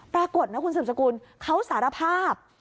ปรากฏนะคุณสืบสกุลเขาสารภาพ